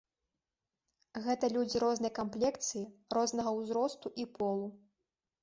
Гэта людзі рознай камплекцыі, рознага ўзросту і полу.